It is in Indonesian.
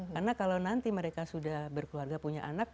karena kalau nanti mereka sudah berkeluarga punya anak